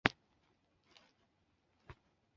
阿伯表示阿三在睡觉